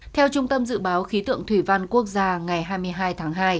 theo trung tâm dự báo khí tượng thủy văn quốc gia ngày hai mươi hai tháng hai